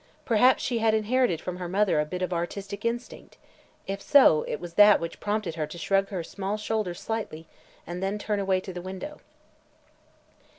Perhaps she had inherited from her mother a bit of artistic instinct; if so, it was that which prompted her to shrug her small shoulders slightly and then turn away to the window.